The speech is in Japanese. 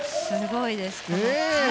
すごいです。